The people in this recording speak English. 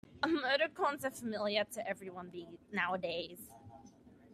Emoticons are familiar to everyone nowadays.